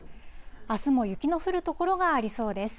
あすも雪の降る所がありそうです。